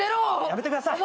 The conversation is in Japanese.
やめてください！